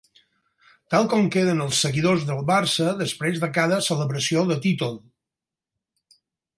Tal com queden els seguidors del Barça després de cada celebració de títol.